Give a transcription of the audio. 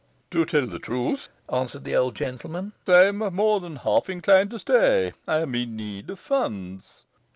'To tell the truth,' answered the old gentleman, 'I am more than half inclined to stay; I am in need of funds.